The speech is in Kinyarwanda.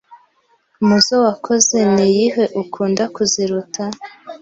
mu zo wakoze niyihe ukunda kuziruta